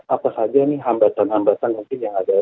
apa saja nih hambatan hambatan mungkin yang ada